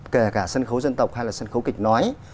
kể cả sân khấu dân tộc hay là sân khấu kịch nói